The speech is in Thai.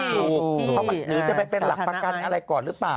หรือจะไปเป็นหลักประกันอะไรก่อนหรือเปล่า